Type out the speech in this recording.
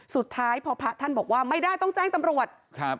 สุดท้ายพอพระท่านบอกว่าไม่ได้ต้องแจ้งตำรวจครับ